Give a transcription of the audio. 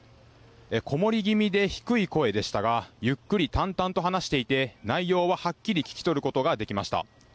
こもり気味で低い声でしたがゆっくり淡々と話していて内容は、はっきり聞き取ることができました。